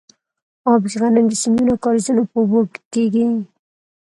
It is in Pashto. ابي غنم د سیندونو او کاریزونو په اوبو کیږي.